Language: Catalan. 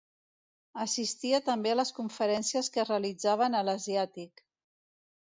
Assistia també a les conferències que es realitzaven a l'Asiàtic.